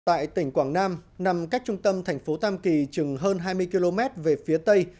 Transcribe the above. tại tỉnh quảng nam nằm cách trung tâm thành phố tam kỳ chừng hơn hai mươi km về phía tây